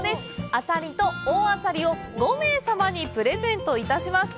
「あさりと、大あさり」を５名様にプレゼントいたします。